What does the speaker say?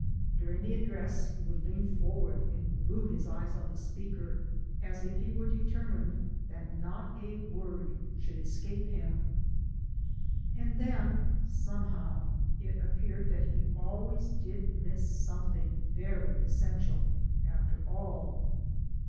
During the address he would lean forward and glue his eyes on the speaker, as if he were determined that not a word should escape him. And then, somehow, it appeared that he always did miss something very essential, after all.